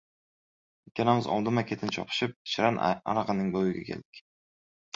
Ikkalamiz oldinma- ketin chopishib, Shirin arig‘ining bo‘yiga keldik.